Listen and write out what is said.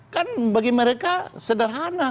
kan bagi mereka sederhana